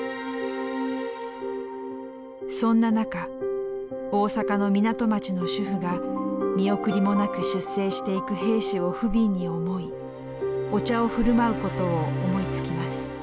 そんな中大阪の港町の主婦が見送りもなく出征していく兵士をふびんに思いお茶を振る舞うことを思いつきます。